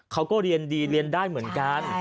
เขาก็เรียนดีเรียนได้เหมือนกัน